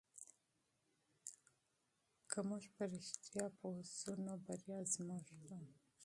که موږ په رښتیا پوه سو نو بریا زموږ ده.